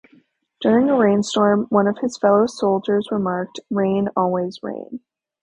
During a rainstorm, one of his fellow soldiers remarked, Rain, always rain.